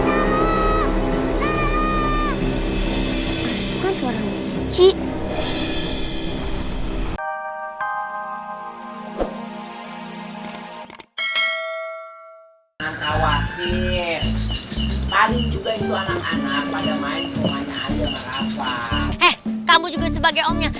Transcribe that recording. eh kamu juga sebagai omnya